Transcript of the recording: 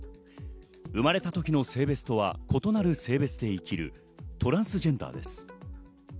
生まれた時の性別とは異なる性別で生きるトランスジェンダーです。